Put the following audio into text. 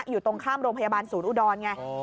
อยู่ตรงข้ามโรงพยาบาลศูนย์อุดรไง